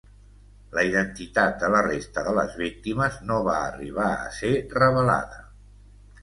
La identitat de la resta de les víctimes no va arribar a ser revelada.